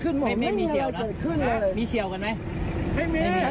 มึงก็อยากรู้เธออย่างนั้นก็เอา